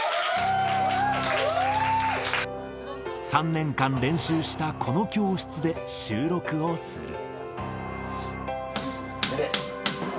３年間練習したこの教室で収録をする。